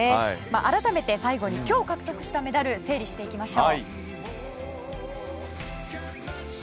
改めて今日獲得したメダルを整理していきましょう。